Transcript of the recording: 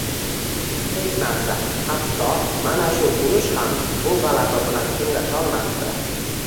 Hech narsa hatto mana shu urush ham bu g`alaba bilan tenglasholmasdi